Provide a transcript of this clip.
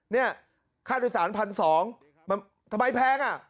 เนี่ยค่าโดยสารพันสองทำไมแพงอ่ะอ๋อ